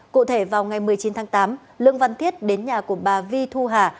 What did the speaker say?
cụ thể vào ngày một mươi chín tháng tám lương văn thiết đến nhà của bà vi thu hà